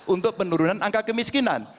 untuk penurunan angka kemiskinan